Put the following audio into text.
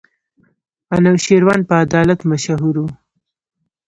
انوشېروان په عدالت مشهور وو.